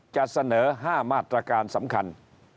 จะเสนอ๕มาตรการสำคัญ